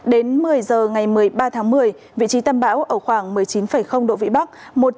đến một mươi giờ ngày một mươi ba tháng một mươi vị trí tâm bão ở khoảng một mươi chín độ vĩ bắc